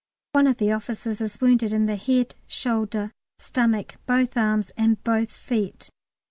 One of the officers is wounded in the head, shoulder, stomach, both arms, and both feet.